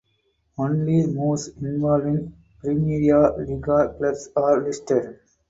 Only moves involving Primeira Liga clubs are listed.